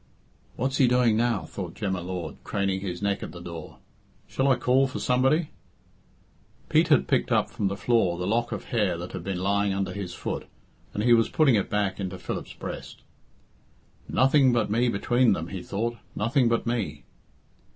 "What's he doing now?" thought Jem y Lord, craning his neck at the door. "Shall I call for somebody?" Pete had picked up from the floor the lock of hair that had been lying under his foot, and he was putting it back into Philip's breast. "Nothing but me between them," he thought, "nothing but me."